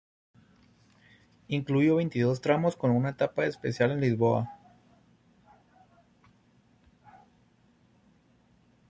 Incluyó veintidós tramos con una etapa especial en Lisboa.